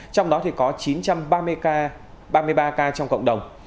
trong đó thì có chín trăm ba mươi ca ba mươi ba ca trong cộng đồng